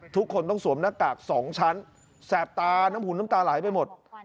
ทุกคนต้องสวมหน้ากาก๒ชั้นแสบตาน้ำหุ่นน้ำตาไหลไปหมด